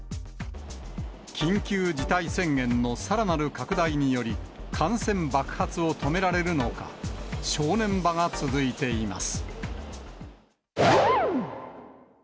緊急事態宣言のさらなる拡大により、感染爆発を止められるのか、正念場が続いています。